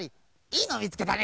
いいのみつけたね！